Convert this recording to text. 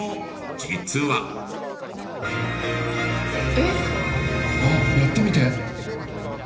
えっ？あっやってみて？